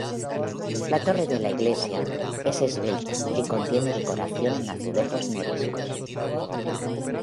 La torre de la iglesia, es esbelta y contiene decoración en azulejos moriscos.